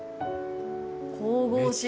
神々しい。